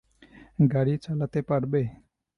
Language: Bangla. গাড়ি চালাতে পারবে?